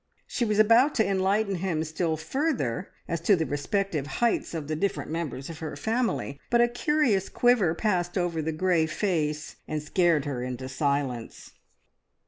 She was about to enlighten him still further as to the respective heights of the different members of her family, but a curious quiver passed over the grey face, and scared her into silence.